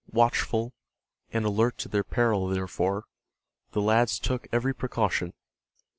Watchful, and alert to their peril, therefore, the lads took every precaution.